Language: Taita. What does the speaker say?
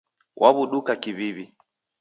Waw'uduka kiw'iw'i